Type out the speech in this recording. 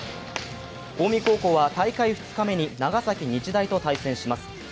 近江高校は大会２日目に長崎日大と対戦します